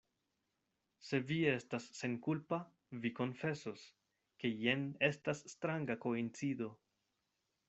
Se vi estas senkulpa, vi konfesos, ke jen estas stranga koincido.